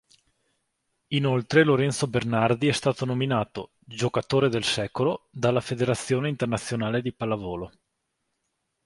Inoltre Lorenzo Bernardi è stato nominato "Giocatore del Secolo" dalla Federazione internazionale di pallavolo.